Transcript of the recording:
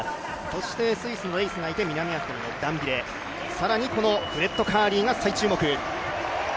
そしてスイスのレイスがいて、南アフリカのダンビレ、更にフレッド・カーリーが大注目。